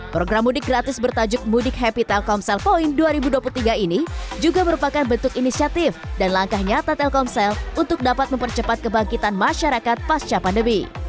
program mudik gratis bertajuk mudik happy telkomsel point dua ribu dua puluh tiga ini juga merupakan bentuk inisiatif dan langkah nyata telkomsel untuk dapat mempercepat kebangkitan masyarakat pasca pandemi